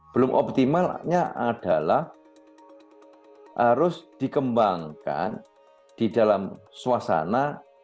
belum optimalnya adalah harus dikembangkan di dalam suasana